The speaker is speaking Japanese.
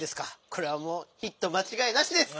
これはもうヒットまちがいなしです。